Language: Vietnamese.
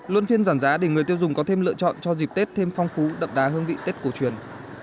luôn phiên giảm giá để người tiêu dùng có thêm lựa chọn cho dịp tết thêm phong phú đậm đà hương vị tết cổ truyền